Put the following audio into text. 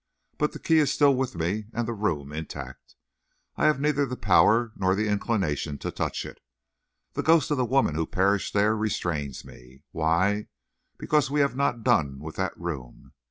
But the key is still with me, and the room intact. I have neither the power nor the inclination to touch it. The ghost of the woman who perished there restrains me. Why? Because we are not done with that room.